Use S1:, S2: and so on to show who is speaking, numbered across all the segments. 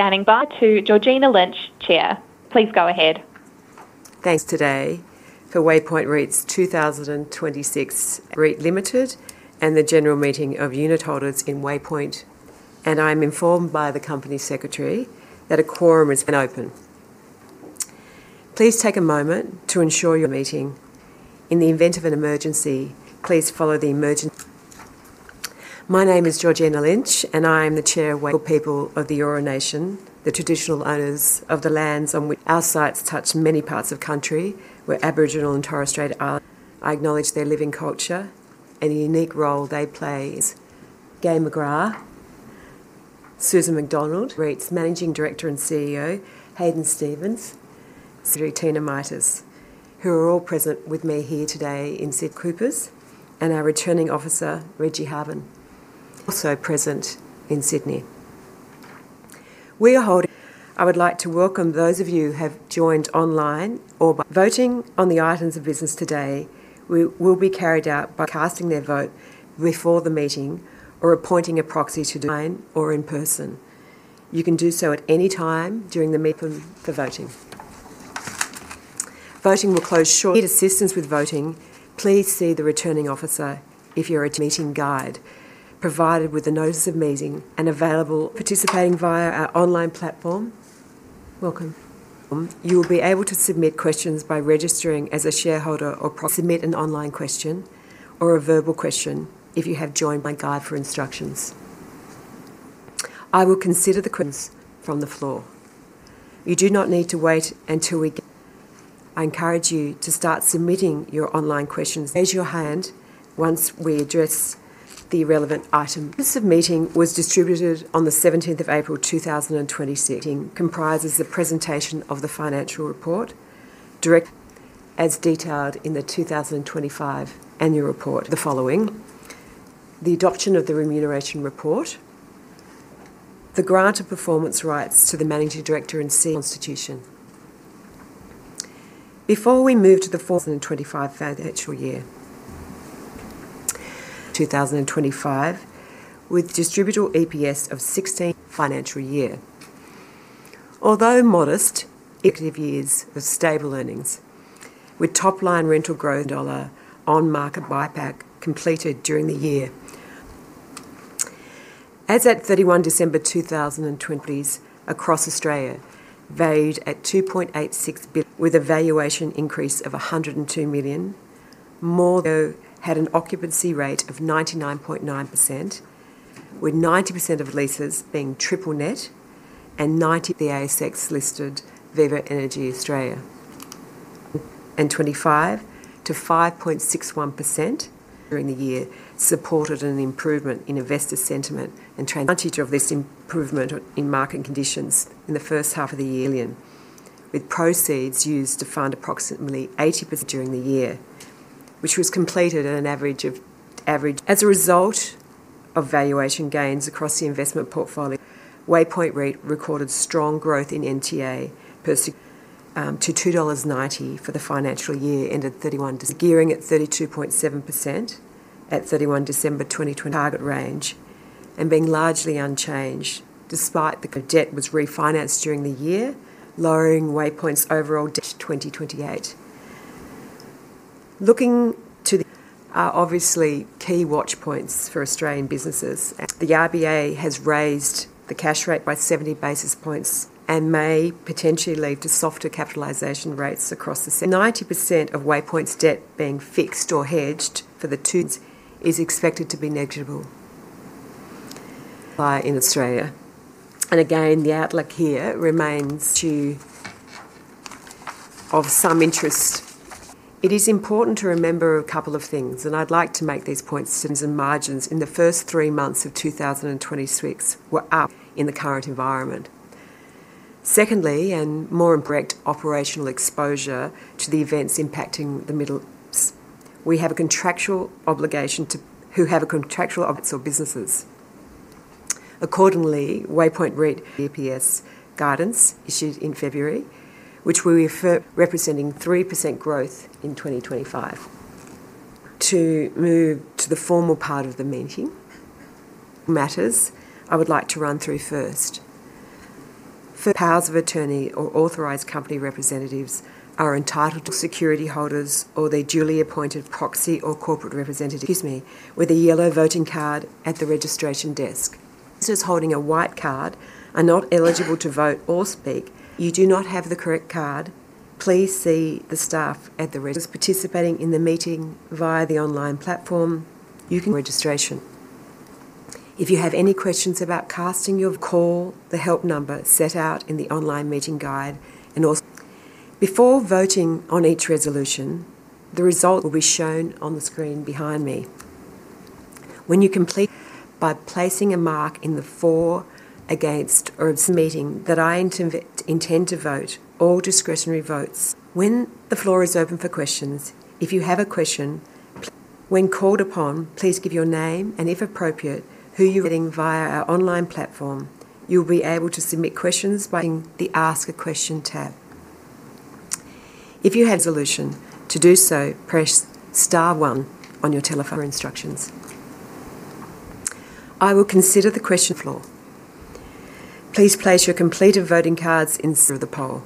S1: Standing by to Georgina Lynch, Chair. Please go ahead.
S2: Thanks today for Waypoint REIT's 2026 REIT Limited and the general meeting of unit holders in Waypoint. I'm informed by the Company Secretary that a quorum has been open. Please take a moment to ensure your meeting. In the event of an emergency, please follow the emergency. My name is Georgina Lynch, and I am the Chair of Waypoint REIT people of the Eora Nation, the traditional owners of the lands on which our sites touch many parts of country where Aboriginal and Torres Strait Islanders. I acknowledge their living culture and the unique role they play is Gai McGrath, Susan MacDonald, Waypoint REIT's Managing Director and Chief Executive Officer, Hadyn Stephens, through Tina Mitas, who are all present with me here today with Sid Coopers, and our Returning Officer, Reggie Harvin, also present in Sydney. I would like to welcome those of you who have joined online. Voting on the items of business today will be carried out by casting their vote before the meeting or appointing a proxy to sign or in person. You can do so at any time during the meeting for voting. Voting will close shortly. If you need assistance with voting, please see the Returning Officer. Your meeting guide, provided with the notice of meeting and available. Participating via our online platform, welcome. You will be able to submit questions by registering as a shareholder or submit an online question or a verbal question if you have joined the guide for instructions. I will consider the questions from the floor. You do not need to wait until we get. I encourage you to start submitting your online questions. Raise your hand once we address the relevant item. This meeting was distributed on the 17th of April 2026. Comprises the presentation of the financial report, direct as detailed in the 2025 annual report. The following, the adoption of the remuneration report, the grant of performance rights to the managing director and constitution. Before we move to the fourth and 2025 financial year, 2025, with distributable EPS of 16. Although modest, executive years were stable earnings, with top-line rental growth AUD 1 on-market buyback completed during the year. As at 31 December 2020, across Australia valued at 2.86 billion with a valuation increase of 102 million. More though had an occupancy rate of 99.9%, with 90% of leases being Triple Net and 90 the ASX-listed Viva Energy Australia. 2025 to 5.61% during the year supported an improvement in investor sentiment and trend. Advantage of this improvement in market conditions in the first half of the year million, with proceeds used to fund approximately 80% during the year, which was completed at an average. As a result of valuation gains across the investment portfolio, Waypoint REIT recorded strong growth in NTA per security, to 2.90 dollars for the financial year ended 31. Gearing at 32.7% at 31 December 2020 target range and being largely unchanged despite the debt was refinanced during the year, lowering Waypoint's overall debt to 2028. Looking to the obviously key watch points for Australian businesses. The RBA has raised the cash rate by 70 basis points and may potentially lead to softer capitalization rates across the 90% of Waypoint's debt being fixed or hedged for the two is expected to be negligible by in Australia. Again, the outlook here remains to of some interest. It is important to remember a couple of things. I'd like to make these points. Margins in the first three months of 2026 were up in the current environment. Secondly, more indirect operational exposure to the events impacting the middle. We have a contractual obligation to who have a contractual obligations or businesses. Accordingly, Waypoint REIT EPS guidance issued in February, which we refer representing 3% growth in 2025. To move to the formal part of the meeting matters, I would like to run through first. For powers of attorney or authorized company representatives are entitled to security holders or their duly appointed proxy or corporate representative, excuse me, with a yellow voting card at the registration desk. Those holding a white card are not eligible to vote or speak. You do not have the correct card. Please see the staff at the register. Participating in the meeting via the online platform, you can register. If you have any questions, call the help number set out in the online meeting guide. Before voting on each resolution, the result will be shown on the screen behind me. When you complete by placing a mark in the for, against or meeting. I intend to vote all discretionary votes. When the floor is open for questions, if you have a question, please. When called upon, please give your name and, if appropriate, who you're getting via our online platform. You'll be able to submit questions by the Ask a Question tab. If you have solution to do so, press star one on your telephone for instructions. I will consider the question on the floor. Please place your completed voting cards in the poll.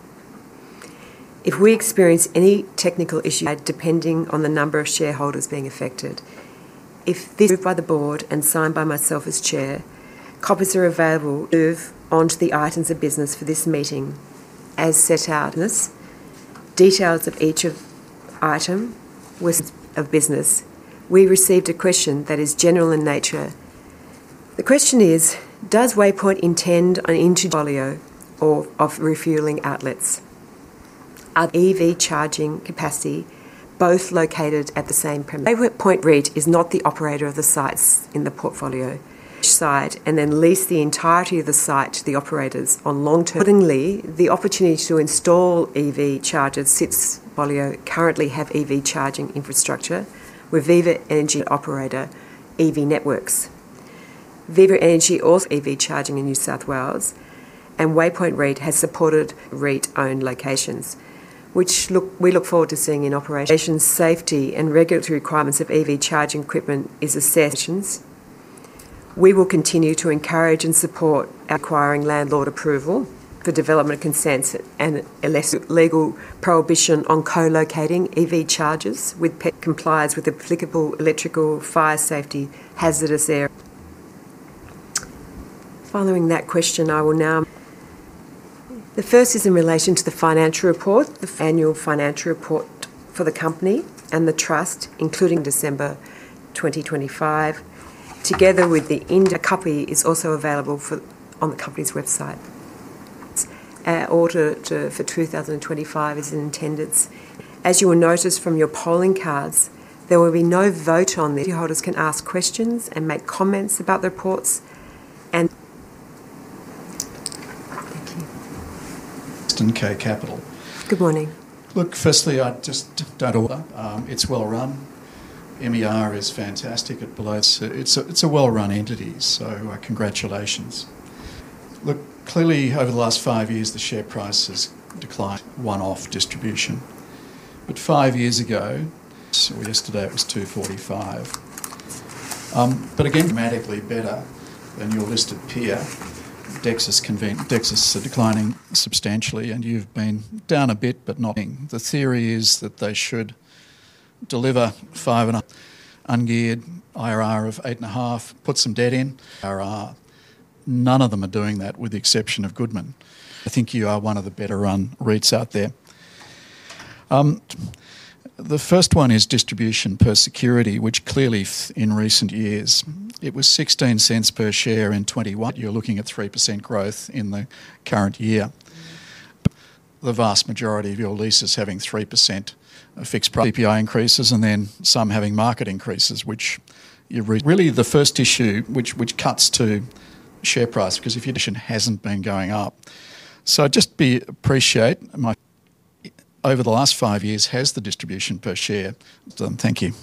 S2: If we experience any technical issue, depending on the number of shareholders being affected. If this is approved by the board and signed by myself as chair, copies are available to move on to the items of business for this meeting as set out in this. Details of each of item was of business. We received a question that is general in nature. The question is, does Waypoint intend on introducing portfolio or of refueling outlets? Are EV charging capacity both located at the same premise? Waypoint REIT is not the operator of the sites in the portfolio. Each site and then lease the entirety of the site to the operators on long-term. Suddenly, the opportunity to install EV chargers sits an additional currently have EV charging infrastructure with Viva Energy operator, Evie Networks. Viva Energy also EV charging in New South Wales, and Waypoint REIT has supported REIT-owned locations, which we look forward to seeing in operation. Patient safety and regulatory requirements of EV charging equipment is assessed. We will continue to encourage and support acquiring landlord approval for development consents and unless legal prohibition on co-locating EV chargers with compliance with applicable electrical fire safety hazardous area. Following that question, I will now. The first is in relation to the financial report, the annual financial report for the company and the trust, including December 2025, together with an additional copy is also available on the company's website. Our auditor for 2025 is in attendance. As you will notice from your polling cards, there will be no vote on this. Shareholders can ask questions and make comments about the reports. Thank you.
S3: [Justin K. Capital].
S2: Good morning.
S3: Look, firstly, it's well run. MER is fantastic. It's a well-run entity. Congratulations. Look, clearly over the last five years, the share price has declined one-off distribution. Five years ago, yesterday it was 2.45. Again, dramatically better than your listed peer, Dexus are declining substantially, and you've been down a bit. The theory is that they should deliver ungeared IRR of 8.5%, IRR. None of them are doing that with the exception of Goodman. I think you are one of the better run REITs out there. The first one is distribution per security, which clearly in recent years it was 0.16 per share in 2021. You're looking at 3% growth in the current year. The vast majority of your leases having 3% fixed- CPI increases, and then some having market increases, which you've Really the first issue which cuts to share price, because if your distribution hasn't been going up. Over the last five years has the distribution per share? Thank you.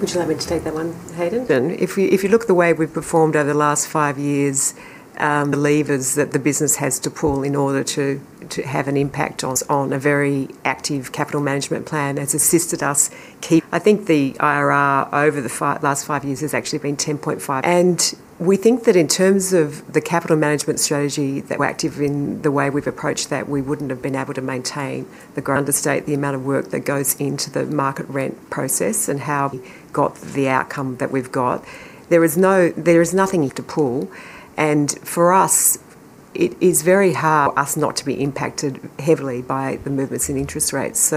S2: Would you like me to take that one, Hadyn? If you, if you look at the way we've performed over the last five years, the levers that the business has to pull in order to have an impact on a very active capital management plan has assisted us keep I think the IRR over the last five years has actually been 10.5%. We think that in terms of the capital management strategy, we're active in the way we've approached that, we wouldn't have been able to maintain the Understate the amount of work that goes into the market rent process and how we got the outcome that we've got. There is no, there is nothing to pull. For us, it is very hard for us not to be impacted heavily by the movements in interest rates.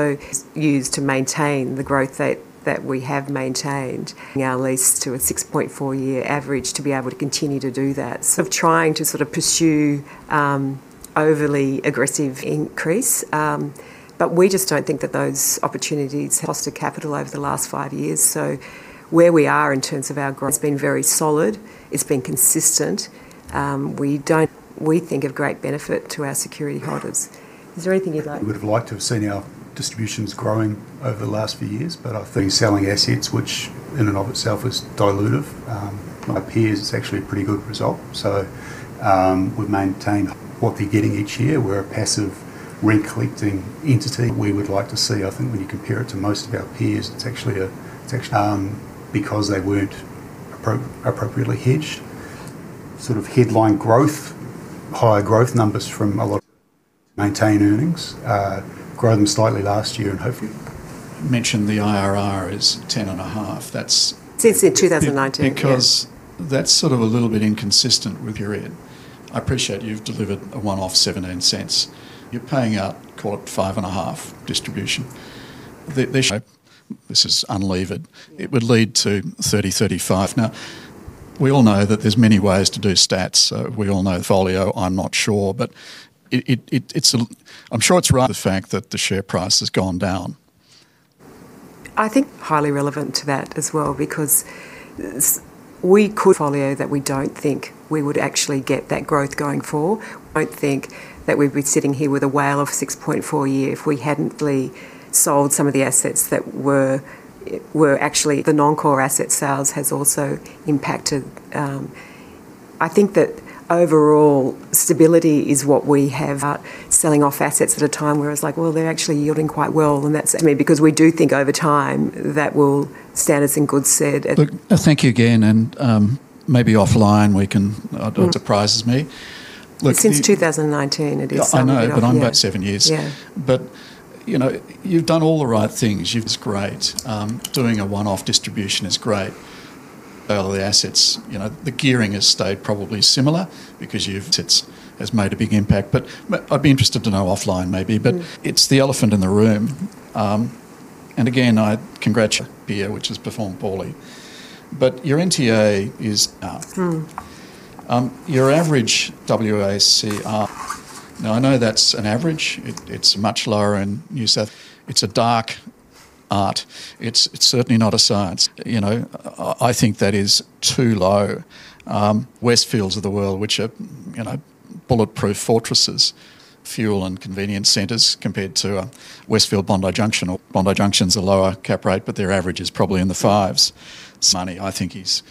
S2: Used to maintain the growth that we have maintained. Our lease to a 6.4 year average to be able to continue to do that. Of trying to sort of pursue overly aggressive increase. We just don't think that those. Cost of capital over the last five years. Where we are in terms of our. It's been very solid. It's been consistent. We think of great benefit to our security holders. Is there anything you'd like?
S4: We would have liked to have seen our distributions growing over the last few years. Been selling assets, which in and of itself is dilutive. My peers, it's actually a pretty good result. What they're getting each year. We're a passive rent collecting entity. We would like to see, I think when you compare it to most of our peers, it's actually because they weren't appropriately hedged. Sort of headline growth, higher growth numbers from a lot of. Maintain earnings, grow them slightly last year.
S3: Mentioned the IRR is 10.5%.
S2: Since in 2019, yes.
S3: That's sort of a little bit inconsistent with your end. I appreciate you've delivered a one-off 0.17. You're paying out, call it, five and a half distribution. The shape, this is unlevered. It would lead to 30, 35. We all know that there's many ways to do stats. We all know portfolio, I'm not sure. I'm sure it's right. The fact that the share price has gone down.
S2: I think highly relevant to that as well because we could portfolio that we don't think we would actually get that growth going for. I don't think that we'd be sitting here with a WALE of 6.4 years if we hadn't really sold some of the assets that were actually The non-core asset sales has also impacted. I think that overall stability is what we have selling off assets at a time where it's like, well, they're actually yielding quite well. That's, I mean, because we do think over time that will stand us in good stead.
S3: Look, thank you again. Maybe offline it surprises me.
S2: Since 2019 it is something.
S3: I know, I'm back seven years.
S2: Yeah.
S3: You know, you've done all the right things. It's great. Doing a one-off distribution is great. All the assets, the gearing has stayed probably similar because it has made a big impact. I'd be interested to know offline maybe, but it's the elephant in the room. Again, I congratulate REIT, which has performed poorly, but your NTA is your average WACR. I know that's an average. It's much lower in New South. It's a dark art. It's certainly not a science. I think that is too low. Westfield of the world, which are bulletproof fortresses, fuel and convenience centers compared to a Westfield Bondi Junction or Bondi Junction's a lower cap rate, but their average is probably in the 5s. Many, I think is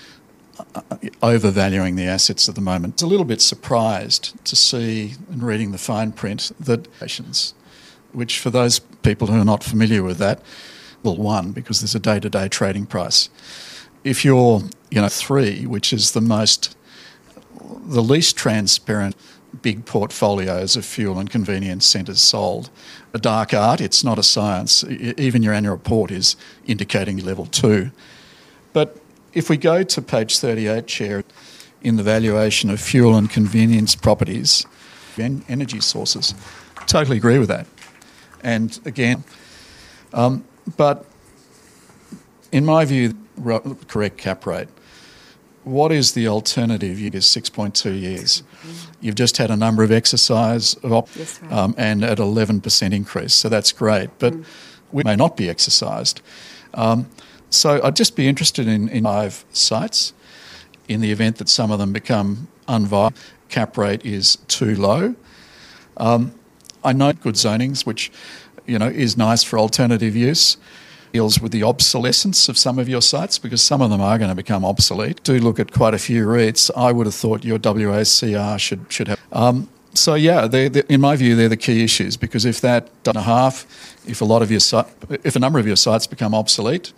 S3: overvaluing the assets at the moment. I was a little bit surprised to see in reading the fine print that which for those people who are not familiar with that, well, one, because there's a day-to-day trading price. If you're, you know, three which is the most, the least transparent big portfolios of fuel and convenience centers sold, a dark art, it's not a science. Even your annual report is indicating level two. If we go to page 38, Chair, in the valuation of fuel and convenience properties, energy sources. Totally agree with that. Again, in my view, correct cap rate. What is the alternative? It is 6.2 years. You've just had a number of exercise.
S2: Yes.
S3: At 11% increase. That's great. We may not be exercised. I'd just be interested in five sites in the event that some of them become unviable cap rate is too low. I note good zonings, which, you know, is nice for alternative use deals with the obsolescence of some of your sites because some of them are going to become obsolete. Do look at quite a few REITs. I would have thought your WACR should have. They, in my view, they're the key issues because if that done a half, if a number of your sites become obsolete,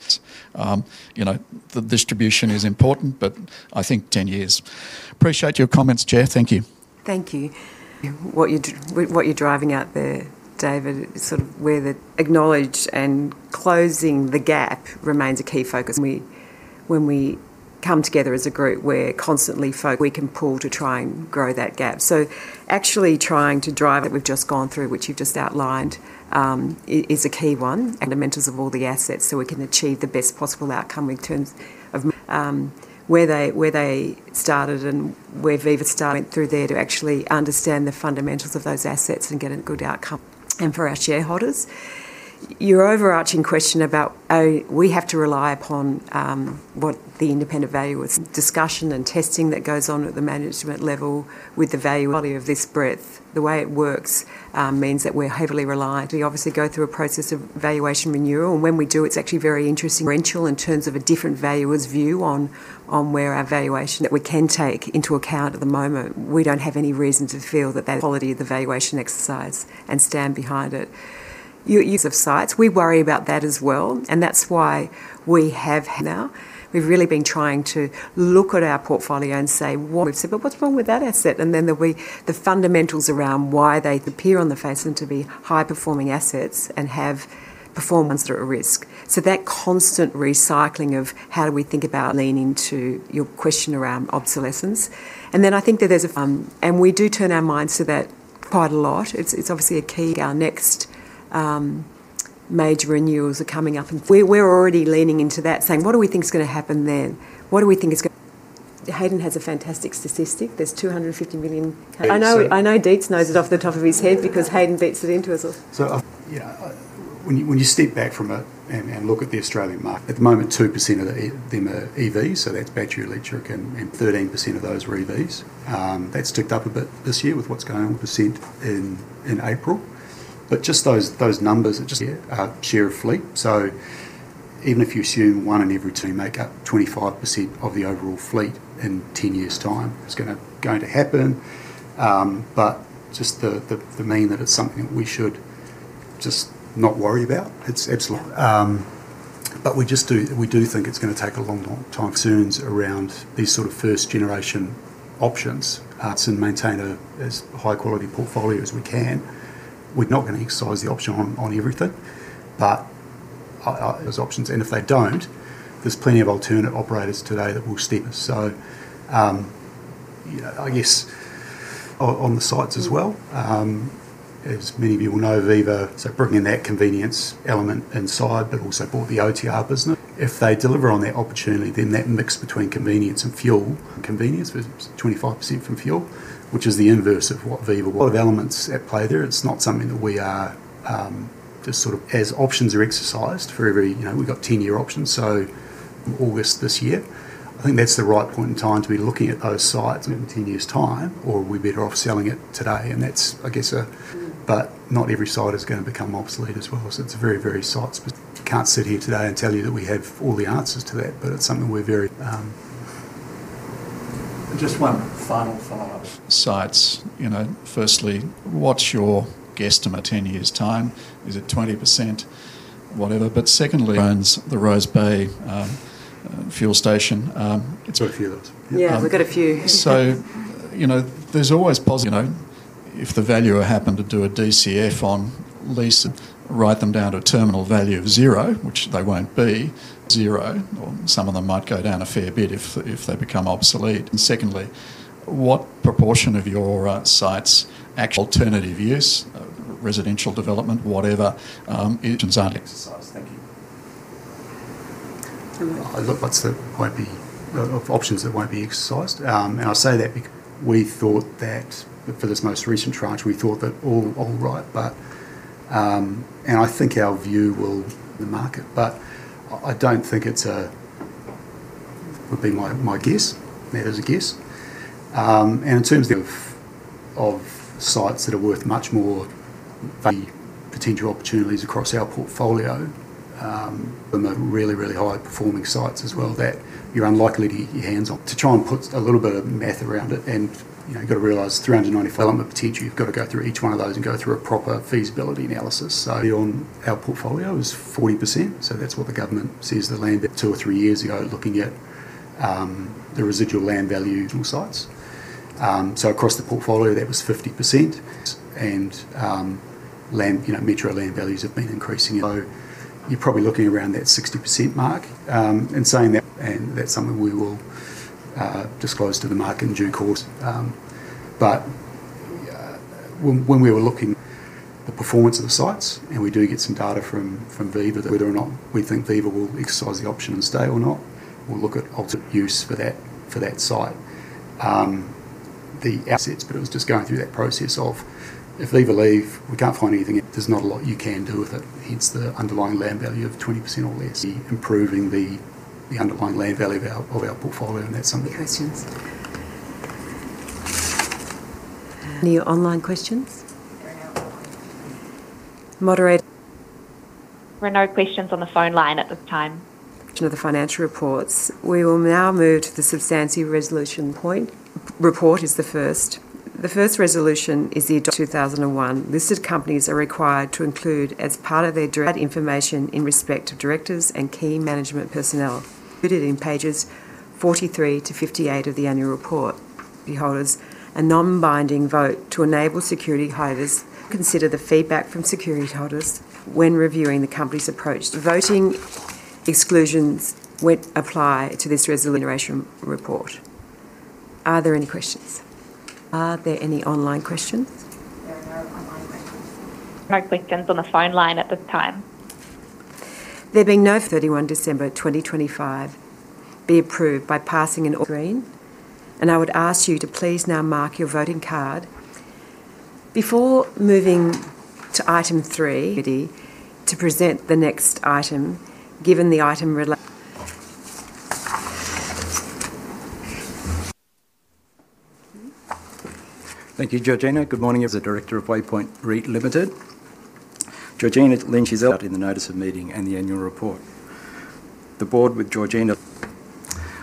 S3: you know, the distribution is important, but I think 10 years. Appreciate your comments, Chair. Thank you.
S2: Thank you. What you're driving out there, David, sort of where the acknowledge and closing the gap remains a key focus. When we come together as a group, we're constantly focused. We can pull to try and grow that gap. Actually trying to drive that we've just gone through, which you've just outlined, is a key one. Fundamentals of all the assets so we can achieve the best possible outcome in terms of where they started and where Viva started through there to actually understand the fundamentals of those assets and get a good outcome. For our shareholders, your overarching question about, oh, we have to rely upon what the independent valuers, discussion and testing that goes on at the management level with the value, quality of this breadth. The way it works, means that we're heavily reliant. We obviously go through a process of valuation renewal. When we do, it's actually very interesting, rental in terms of a different valuer's view on where our valuation that we can take into account at the moment. We don't have any reason to feel that the quality of the valuation exercise and stand behind it. Use of sites. We worry about that as well. That's why we have now, we've really been trying to look at our portfolio and say, well, we've said, but what's wrong with that asset? Then the way the fundamentals around why they appear on the face and to be high performing assets and have performance that are at risk. That constant recycling of how do we think about leaning to your question around obsolescence. We do turn our minds to that quite a lot. It's obviously a key, our next major renewals are coming up and we're already leaning into that saying, what do we think is going to happen then? Haydn has a fantastic statistic. There's 250 million I know Dietz knows it off the top of his head because Haydn beats it into us.
S4: When you step back from it and look at the Australian market at the moment, 2% of them are EVs. That's battery electric and 13% of those were EVs. That's ticked up a bit this year with what's going on with percent in April, just those numbers are just a share of fleet. Even if you assume one in every two make up 25% of the overall fleet in 10 years time, it's going to happen. Just the mean that it's something we should just not worry about. It's absolutely. We do think it's going to take a long time. Concerns around these sort of first generation options and maintain a as high quality portfolio as we can. We're not going to exercise the option on everything, but those options. If they don't, there's plenty of alternate operators today that will step. You know, I guess on the sites as well, as many of you will know, Viva. Bringing that convenience element inside, but also bought the OTR business. If they deliver on that opportunity, then that mix between convenience and fuel convenience with 25% from fuel, which is the inverse of what Viva. A lot of elements at play there. It's not something that we are, just sort of as options are exercised for every, you know, we've got 10-year options. August this year, I think that's the right point in time to be looking at those sites in 10 years' time, or are we better off selling it today? That's, I guess, but not every site is going to become obsolete as well. It's a very, very site specific. Can't sit here today and tell you that we have all the answers to that. Just one final thought.
S3: Sites. You know, firstly, what's your guesstimate, 10 years' time? Is it 20%? Whatever. Secondly owns the Rose Bay fuel station.
S4: It's a few of them.
S2: Yeah, we've got a few.
S3: You know, there's always, you know, if the valuer happened to do a DCF on lease, write them down to a terminal value of zero, which they won't be. Zero, or some of them might go down a fair bit if they become obsolete. Secondly, what proportion of your sites alternative use, residential development, whatever, options aren't exercised. Thank you.
S2: All right.
S4: I look, won't be of options that won't be exercised. I say that We thought that, for this most recent tranche, we thought that all right, but I think our view will be the market. I don't think it would be my guess, you know, as a guess. In terms of sites that are worth much more value potential opportunities across our portfolio, from the really high-performing sites as well, that you're unlikely to get your hands on. To try and put a little bit of math around it, and, you know, you gotta realize 395 development potential, you've gotta go through each one of those and go through a proper feasibility analysis. Beyond our portfolio is 40%, so that's what the government says the land two or three years ago, looking at the residual land value usual sites. Across the portfolio, that was 50%. Land, you know, metro land values have been increasing you're probably looking around that 60% mark. In saying that's something we will disclose to the market in due course. When we were looking the performance of the sites, we do get some data from Viva that whether or not we think Viva will exercise the option and stay or not, we'll look at use for that, for that site. The assets, but it was just going through that process of, if Viva leave, we can't find anything, there's not a lot you can do with it, hence the underlying land value of 20% or less improving the underlying land value of our portfolio. That's something.
S2: Questions? Any online questions?
S1: There are no online questions.
S2: Moderator?
S1: There are no questions on the phone line at this time.
S2: Direction of the financial reports. We will now move to the substantive resolution point. Report is the first. The first resolution is the 2001, listed companies are required to include as part of their that information in respect to directors and key management personnel included in pages 43 to 58 of the annual report. Security holders a non-binding vote to enable security holders consider the feedback from security holders when reviewing the company's approach to voting exclusions when apply to this resolution report. Are there any questions? Are there any online questions?
S1: There are no online questions. No questions on the phone line at this time.
S2: There being 31 December 2025 be approved by passing an green. I would ask you to please now mark your voting card. Before moving to item three, to present the next item, given the item.
S4: Thank you, Georgina. Good morning, as a director of Waypoint REIT Limited. Georgina Lynch is out in the notice of meeting and the annual report. The board with Georgina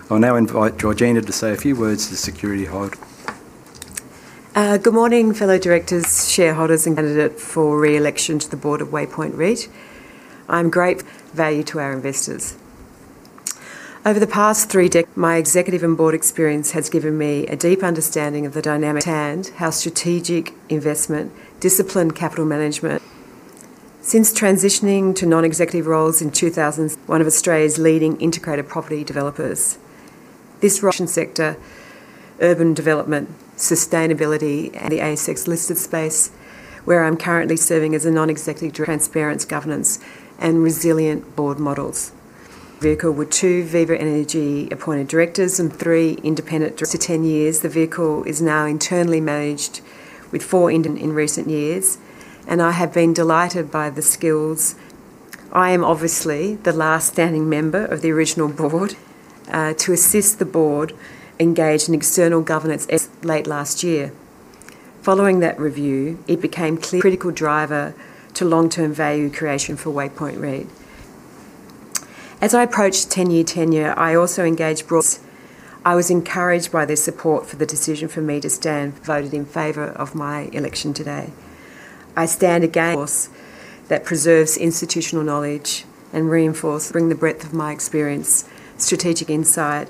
S4: I'll now invite Georgina to say a few words to security holders.
S2: Good morning, fellow directors, shareholders, and candidate for re-election to the board of Waypoint REIT. I am grateful value to our investors. Over the past three. My executive and board experience has given me a deep understanding of the dynamic at hand, how strategic investment, disciplined capital management. Since transitioning to non-executive roles in 2000, one of Australia's leading integrated property developers. This sector, urban development, sustainability, and the ASX listed space, where I'm currently serving as a non-executive transparent governance and resilient board models. Vehicle with two Viva Energy-appointed directors and three independent. After 10 years, the vehicle is now internally managed with four in recent years, and I have been delighted by the skills I am obviously the last standing member of the original board. To assist the board engage an external governance late last year. Following that review, it became clear critical driver to long-term value creation for Waypoint REIT. As I approach 10-year tenure, I was encouraged by the support for the decision for me to stand voted in favor of my election today. I stand against that preserves institutional knowledge and reinforce bring the breadth of my experience, strategic insight,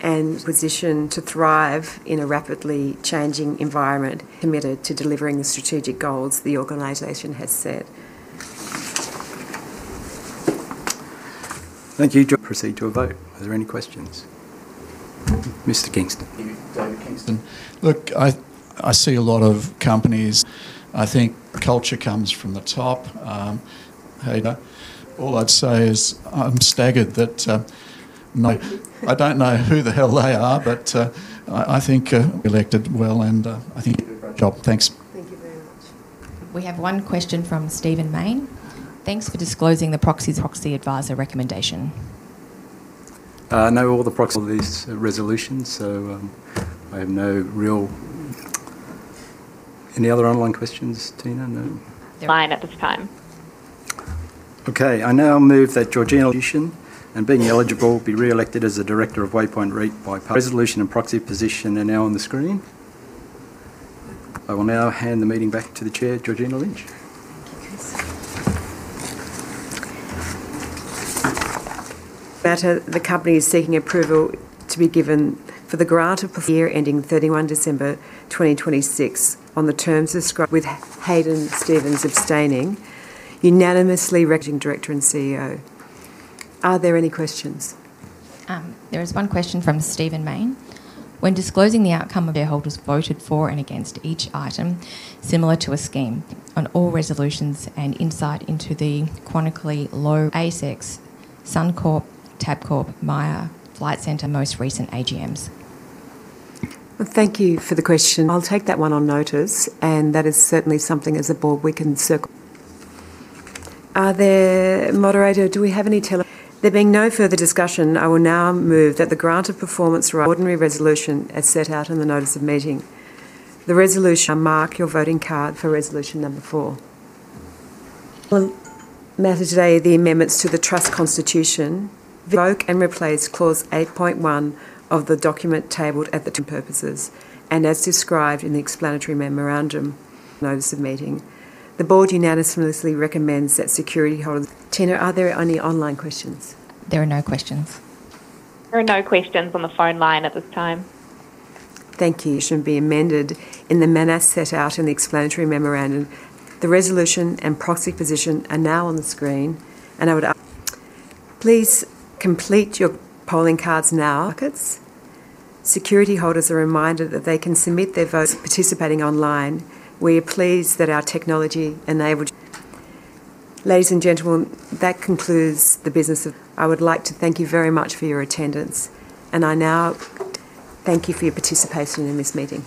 S2: and position to thrive in a rapidly changing environment committed to delivering the strategic goals the organization has set.
S4: Thank you. Proceed to a vote. Are there any questions? Mr. Kingston.
S3: Thank you, David Kingston. Look, I see a lot of companies I think culture comes from the top. Hadyn, all I'd say is I'm staggered that, no, I don't know who the hell they are, but I think elected well, and I think you did a great job. Thanks.
S2: Thank you very much.
S1: We have one question from Stephen Mayne. Thanks for disclosing the proxy's proxy advisor recommendation.
S4: no, all these resolutions, so, I have no real. Any other online questions, Tina? No?
S1: Line at this time.
S4: Okay. I now move that Georgina motion, and being eligible, be re-elected as a director of Waypoint REIT. Resolution and proxy position are now on the screen. I will now hand the meeting back to the Chair, Georgina Lynch.
S2: Thank you, Chris. The company is seeking approval to be given for the grant of the year ending 31 December 2026 on the terms described. With Hadyn Stephens abstaining, unanimously re- Managing Director and CEO. Are there any questions?
S1: There is one question from Stephen Mayne. When disclosing the outcome of shareholders voted for and against each item, similar to a scheme, on all resolutions and insight into the chronically low ASX Suncorp, Tabcorp, Myer, Flight Centre most recent AGMs?
S2: Well, thank you for the question. I'll take that one on notice, and that is certainly something as a board we can circle- Are there Moderator, do we have any tele- There being no further discussion, I will now move that the grant of performance or ordinary resolution as set out in the notice of meeting. The resolution. Now mark your voting card for resolution number four. Matter today, the amendments to the trust constitution. Revoke and replace Clause 8.1 of the document tabled at the term purposes, and as described in the explanatory memorandum. Notice of meeting. The board unanimously recommends that securityholders. Tina, are there any online questions?
S1: There are no questions. There are no questions on the phone line at this time.
S2: Thank you. Should be amended in the manner set out in the explanatory memorandum. The resolution and proxy position are now on the screen. Please complete your polling cards now. Securityholders are reminded that they can submit their votes participating online. I would like to thank you very much for your attendance, and I now thank you for your participation in this meeting.